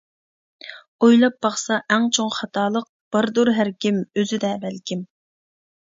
ئويلاپ باقسا ئەڭ چوڭ خاتالىق، باردۇر ھەركىم، ئۆزىدە بەلكىم.